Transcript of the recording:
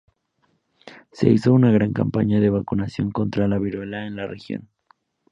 Se hizo una gran campaña de vacunación contra la viruela en la región.